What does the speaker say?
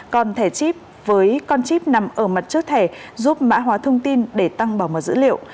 còn thẻ chip với con chip nằm ở mặt trước thẻ giúp mã hóa thông tin để tăng bảo mật dữ liệu